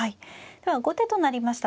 では後手となりました